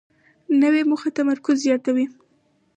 نوې موخه تمرکز زیاتوي